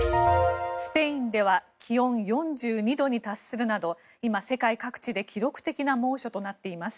スペインでは気温４２度に達するなど今、世界各地で記録的な猛暑となっています。